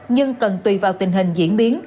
nhưng cần tùy vào tình hình diễn biến